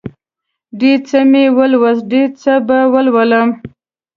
ډېر څه مې ولوست، ډېر څه به ولولمه